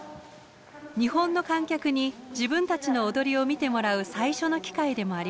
日本の観客に自分たちの踊りを見てもらう最初の機会でもあります。